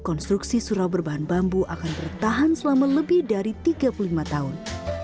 konstruksi surau berbahan bambu akan bertahan selama lebih dari tiga puluh lima tahun